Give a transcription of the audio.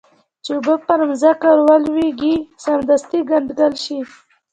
چې اوبه پر مځکه ولویږي سمدستي کنګل شي.